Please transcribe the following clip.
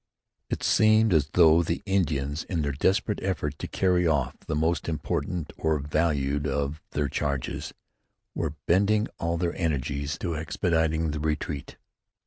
It seemed as though the Indians, in their desperate effort to carry off the most important or valued of their charges, were bending all their energies to expediting the retreat.